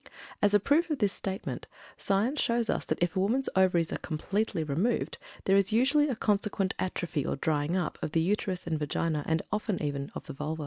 As a proof of this statement, science shows us that if a woman's ovaries are completely removed there is usually a consequent atrophy or "drying up" of the Uterus and the Vagina, and often even of the Vulva.